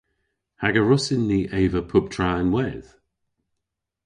Hag a wrussyn ni eva puptra ynwedh?